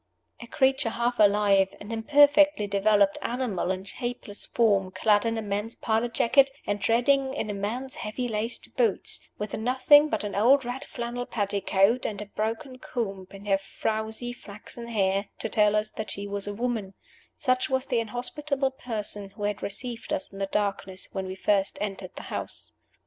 A creature half alive; an imperfectly developed animal in shapeless form clad in a man's pilot jacket, and treading in a man's heavy laced boots, with nothing but an old red flannel petticoat, and a broken comb in her frowzy flaxen hair, to tell us that she was a woman such was the inhospitable person who had received us in the darkness when we first entered the house.